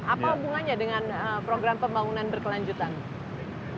apa hubungannya dengan program pembangunan berkelanjutan